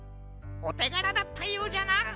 おてがらだったようじゃな。